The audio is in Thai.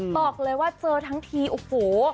บอกเลยว่าเจอทั้งทีโอ้โห